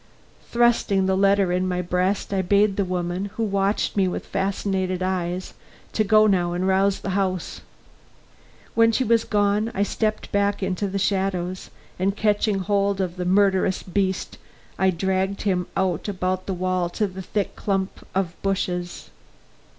Thrusting the letter in my breast, I bade the woman, who watched me with fascinated eyes, to go now and rouse the house. When she was gone I stepped back into the shadows, and catching hold of the murderous beast, I dragged him out and about the wall to a thick clump of bushes.